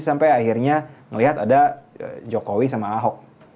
sampai akhirnya ngelihat ada jokowi sama ahok